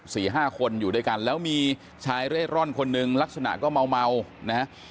สี่ห้าคนอยู่ด้วยกันแล้วมีชายเร่ร่อนคนหนึ่งลักษณะก็เมาเมานะฮะ